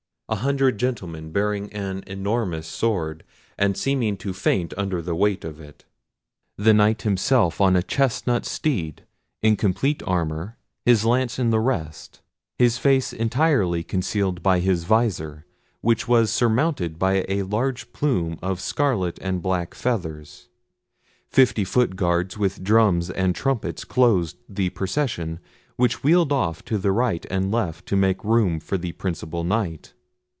A hundred gentlemen bearing an enormous sword, and seeming to faint under the weight of it. The Knight himself on a chestnut steed, in complete armour, his lance in the rest, his face entirely concealed by his vizor, which was surmounted by a large plume of scarlet and black feathers. Fifty foot guards with drums and trumpets closed the procession, which wheeled off to the right and left to make room for the principal Knight.